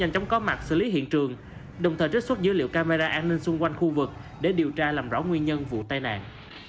với hiện trường đồng thời trích xuất dữ liệu camera an ninh xung quanh khu vực để điều tra làm rõ nguyên nhân vụ tai nạn